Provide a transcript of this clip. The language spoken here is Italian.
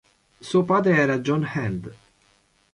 Suo padre era John Hand.